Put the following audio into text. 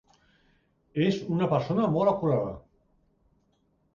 És una persona molt acurada.